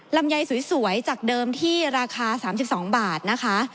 ลำไยสวยจากเดิมที่ราคา๓๒บาทนะคะ